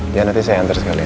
ya nanti saya antar sekali ya